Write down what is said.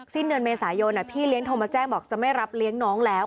สิ้นเดือนเมษายนพี่เลี้ยงโทรมาแจ้งบอกจะไม่รับเลี้ยงน้องแล้ว